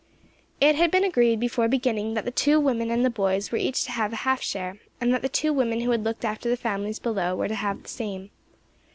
It had been agreed before beginning that the two women and the boys were each to have a half share, and that the two women who had looked after the families below were to have the same.